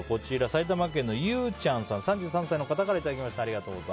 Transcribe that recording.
埼玉県の３３歳の方からいただきました。